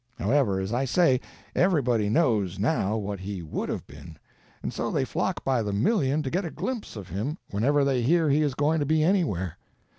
However, as I say, everybody knows, now, what he would have been,—and so they flock by the million to get a glimpse of him whenever they hear he is going to be anywhere.